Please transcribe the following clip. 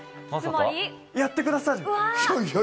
やってくださる？